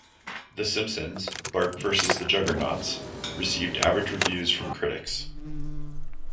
"The Simpsons: Bart versus the Juggernauts" received average reviews from critics.